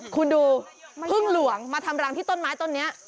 คุณดูพึ่งหลวงมาทำรังที่ต้นไม้ต้นนี้